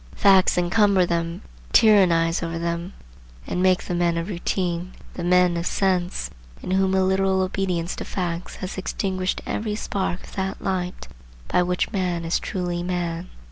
Facts encumber them, tyrannize over them, and make the men of routine, the men of sense, in whom a literal obedience to facts has extinguished every spark of that light by which man is truly man.